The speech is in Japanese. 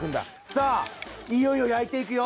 さあいよいよやいていくよ！